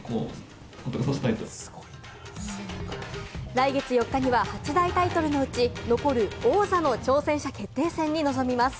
来月４日には八大タイトルのうち、残る王座の挑戦者決定戦に臨みます。